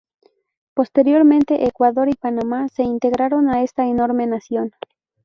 Posteriormente Ecuador y Panamá se integraron a esta enorme nación.